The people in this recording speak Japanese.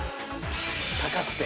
高くて。